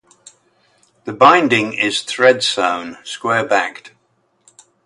The binding is thread sewn, square backed.